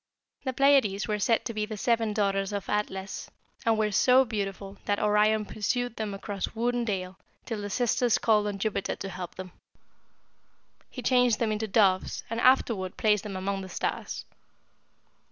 "The Pleiades were said to be the seven daughters of Atlas, and were so beautiful that Orion pursued them across wood and dale, till the sisters called on Jupiter to help them. He changed them into doves, and afterward placed them among the stars.